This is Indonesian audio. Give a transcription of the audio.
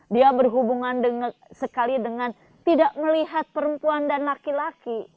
dia berhubungan sekali dengan tidak melihat perempuan dan laki laki